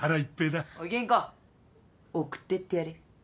おい吟子送ってってやれ。